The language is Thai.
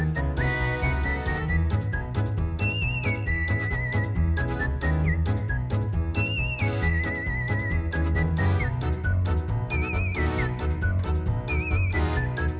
ดะเบาเบส